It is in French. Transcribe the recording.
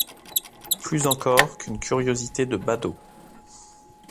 plus encore qu'une curiosité de badaud.